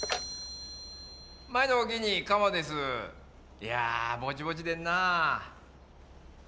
いやぼちぼちでんなぁ。